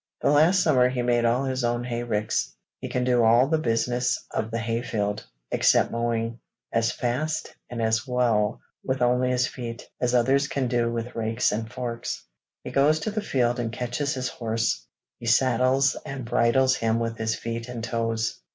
The last summer he made all his own hay ricks. He can do all the business of the hay field (except mowing) as fast and as well with only his feet, as others can with rakes and forks; he goes to the field and catches his horse; he saddles and bridles him with his feet and toes.